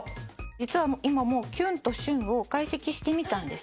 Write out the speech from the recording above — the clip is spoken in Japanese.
実は今もう「きゅん」と「シュン」を解析してみたんです。